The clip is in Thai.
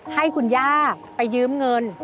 ให้คุณย่าไปยืมเงิน